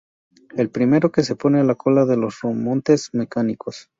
El primero que se pone a la cola de los remontes mecánicos.